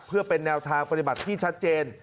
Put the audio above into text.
เพื่อเป็นแนวทางปฏิบัติที่ชัดเจน